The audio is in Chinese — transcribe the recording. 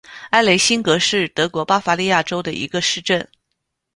埃雷辛格是德国巴伐利亚州的一个市镇。